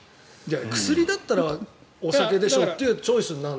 薬だったらお酒でしょってチョイスになる。